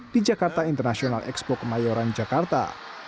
di jakarta international expo kemayoran jakarta